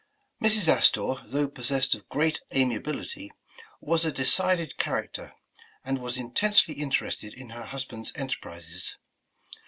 Mrs. Astor, though possessed of great amiability, was a decided character, and was intensely interested in her husband's enter prises.